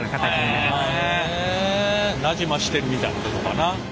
なじましてるみたいなとこかな。